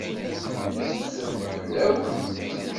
Tetter-d fell-awen.